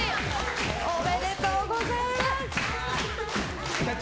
おめでとうございます。